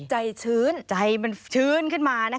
ใจมันชื้นขึ้นมา